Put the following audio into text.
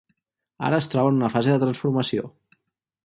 Ara es troba en una fase de transformació.